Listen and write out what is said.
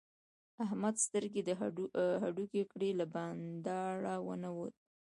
احمد سترګې د هډوکې کړې؛ له بانډاره و نه وت.